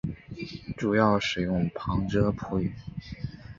主要使用旁遮普语。